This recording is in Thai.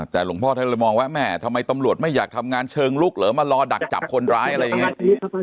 แต่หลวงพ่อท่านเลยมองว่าแม่ทำไมตำรวจไม่อยากทำงานเชิงลุกเหรอมารอดักจับคนร้ายอะไรอย่างนี้